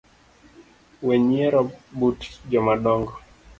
Wenyiero but jomadongo